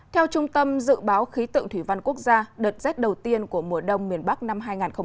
theo trung tâm dự báo khí tượng thủy văn quốc gia đợt rét đầu tiên của mùa đông miền bắc năm hai nghìn hai mươi hai nghìn hai mươi một